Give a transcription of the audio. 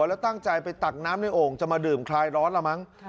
แล้วตั้งใจไปตักน้ำในโอ่งจะมาดื่มคลายร้อนละมั้ง